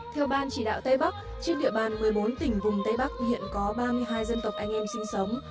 theo ban chỉ đạo tây bắc trên địa bàn một mươi bốn tỉnh vùng tây bắc hiện có ba mươi hai dân tộc anh em sinh sống